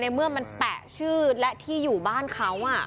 เมื่อมันแปะชื่อและที่อยู่บ้านเขา